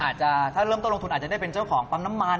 อาจจะถ้าเริ่มต้นลงทุนอาจจะได้เป็นเจ้าของปั๊มน้ำมัน